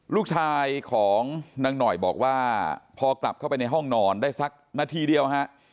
ลูกชายของนางหน่อยบอกว่าพอกลับเข้าไปในห้องนอนได้สักนาทีเดียวฮะ